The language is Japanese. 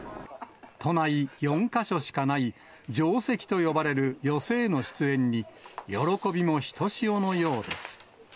都内４か所しかない、上席と呼ばれる寄席への出演に、喜びもひとしおのようです。